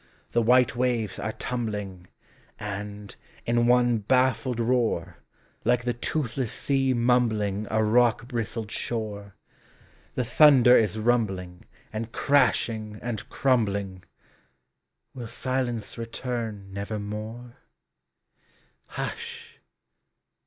The while waves arc tumbling, And, in <'•.!«' baffled roar, Like the toothless sea mumbling A rock bristled shore, The thunder is ruinbli And crashing and crumbling; Will silence return nevermore ,.' 122 POEMS OF NATURE Hush!